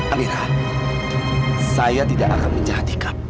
amira saya tidak akan menjahat ikat